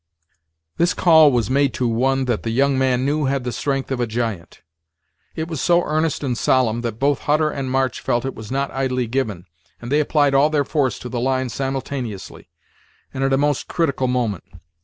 This call was made to one that the young man knew had the strength of a giant. It was so earnest and solemn, that both Hutter and March felt it was not idly given, and they applied all their force to the line simultaneously, and at a most critical moment.